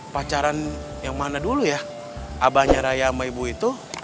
pacaran yang mana dulu ya abahnya raya sama ibu itu